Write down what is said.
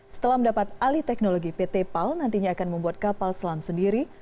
setelah mendapat alih teknologi pt pal nantinya akan membuat kapal selam sendiri